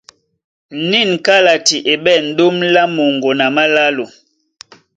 Nîn kálati e ɓɛ̂n ɗóm lá moŋgo na málálo.